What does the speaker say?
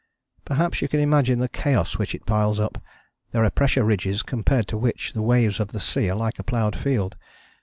Perhaps you can imagine the chaos which it piles up: there are pressure ridges compared to which the waves of the sea are like a ploughed field.